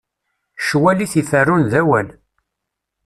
Ccwal i t-iferrun d awal.